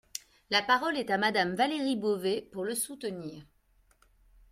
La parole est à Madame Valérie Beauvais, pour le soutenir.